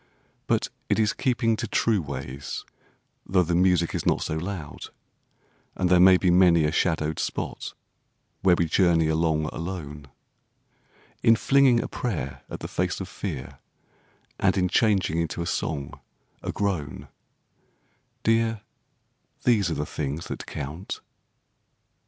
But it is keeping to true ways, Though the music is not so loud, And there may be many a shadowed spot where we journey along alone; In flinging a prayer at the face of fear, and in changing into a song a groan— Dear, these are the things that count.